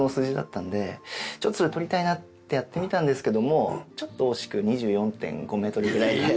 ちょっとそれを取りたいなってやってみたんですけどもちょっと惜しく２４．５メートルぐらい。